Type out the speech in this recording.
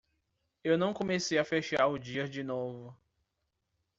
Eu não comecei a fechar o dia de novo.